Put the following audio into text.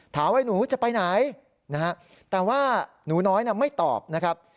ถามว่าหนูจะไปไหนนะฮะแต่ว่าหนูน้อยไม่ตอบนะครับ